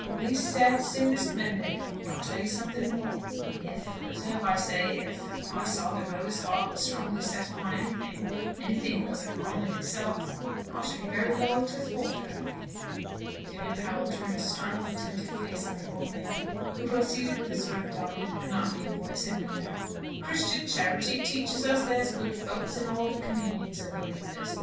'Least said, soonest mended.' And I'll tell you something more. If observe I say 'if' I saw that Rhoda's heart was strongly set upon anything, anything as wasn't wrong in itself, I should be very loath to thwart her." David Powell turned a startled, attentive face on the old man, who proceeded with a sort of dogged monotony of voice and manner: "Christian charity teaches us there's good folks in all communions of believers.